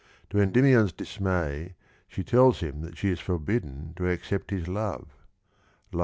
To Endymion's dismay she tells him that she is forbidden to accept his love (752).